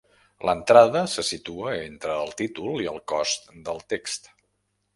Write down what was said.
L'entrada se situa entre el títol i el cos del text.